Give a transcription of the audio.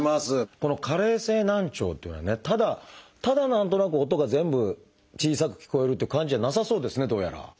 この加齢性難聴っていうのはねただただ何となく音が全部小さく聞こえるっていう感じじゃなさそうですねどうやら。